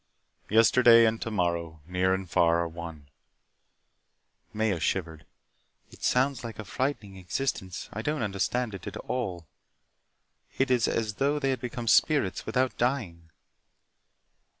Yesterday and tomorrow, near and far, are one " Maya shivered. "It sounds like a frightening existence. I don't understand it at all. It is as though they had become spirits without dying."